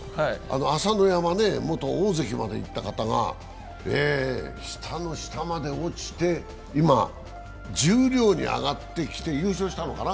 朝乃山ね、元大関までいった方が下の下まで落ちて今、十両に上がってきて優勝したのかな。